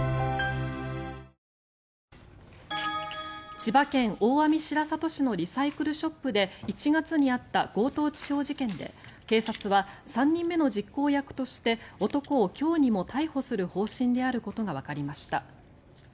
千葉県大網白里市のリサイクルショップで１月にあった強盗致傷事件で警察は３人目の実行役として男を今日にも逮捕する方針であることがわかりました。